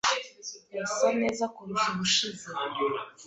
Yasa neza kurusha ubushize.